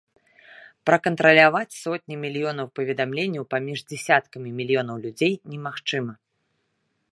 Пракантраляваць сотні мільёнаў паведамленняў паміж дзясяткамі мільёнаў людзей немагчыма.